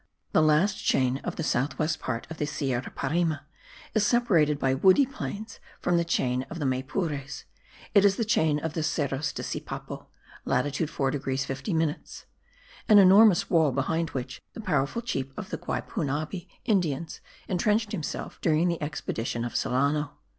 The last chain of the south west part of the Sierra Parime is separated by woody plains from the chain of Maypures; it is the chain of the Cerros de Sipapo (latitude 4 degrees 50 minutes); an enormous wall behind which the powerful chief of the Guaypunabi Indians intrenched himself during the expedition of Solano.